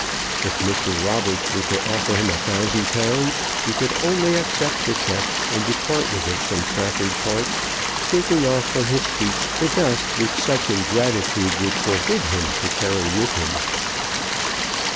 If Mr. Roberts were to offer him a thousand pounds, he could only accept the cheque and depart with it from Trafford Park, shaking off from his feet the dust which such ingratitude would forbid him to carry with him.